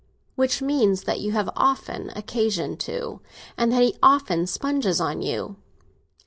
"Which means that you have often occasion to, and that he often sponges on you.